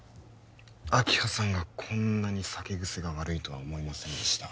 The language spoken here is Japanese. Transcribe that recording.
明葉さんがこんなに酒癖が悪いとは思いませんでした